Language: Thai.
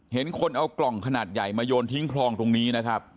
เห็นคนเอากล่องขนาดใหญ่มาโยนทิ้งคลองตรงนี้นะครับ